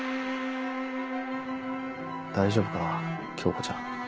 大丈夫かな恭子ちゃん。